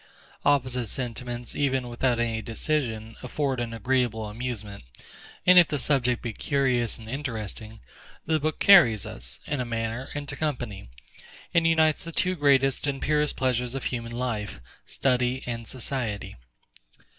Opposite sentiments, even without any decision, afford an agreeable amusement; and if the subject be curious and interesting, the book carries us, in a manner, into company; and unites the two greatest and purest pleasures of human life, study and society.